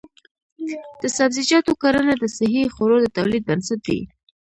د سبزیجاتو کرنه د صحي خوړو د تولید بنسټ دی.